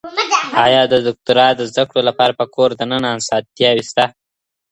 آیا د دوکتورا د زده کړو لپاره په کور دننه اسانتیاوي سته؟